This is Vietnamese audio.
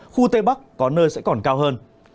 khu tây bắc có nơi sẽ còn cao hơn